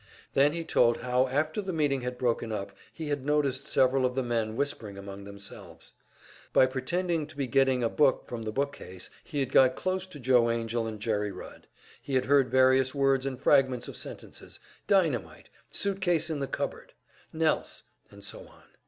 Then he told how after the meeting had broken up he had noticed several of the men whispering among themselves. By pretending to be getting a book from the bookcase he had got close to Joe Angell and Jerry Rudd; he had heard various words and fragments of sentences, "dynamite," "suit case in the cupboard," "Nelse," and so on.